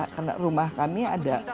karena rumah kami ada